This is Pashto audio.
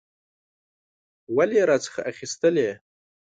ولي یې راڅخه اخیستلې؟